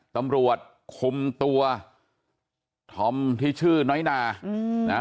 ตำรวจคุมตัวธอมที่ชื่อน้อยนาอืมนะฮะ